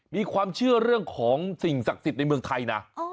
มีความเชื่อเรื่องของสิ่งศักดิ์สิทธิ์ในเมืองไทยนะ